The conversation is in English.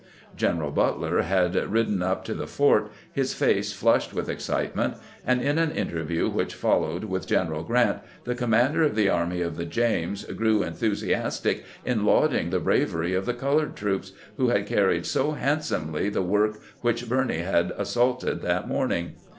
General Butler had ridden up to the fort, his face flushed with excitement ; and in an interview which fol lowed with General Grant, the commander of the Army of the James grew enthusiastic in lauding the bravery of the colored troops, who had carried so handsomely the work which Birney had assaulted that morning.